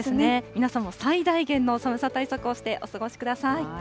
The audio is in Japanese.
皆さんも最大限の寒さ対策をしてお過ごしください。